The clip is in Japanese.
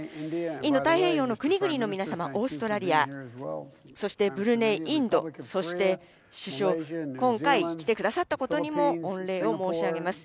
インド太平洋の国々の皆様、オーストラリア、そしてブルネイ、インド、そして首相、今回来てくださったことにも御礼を申し上げます。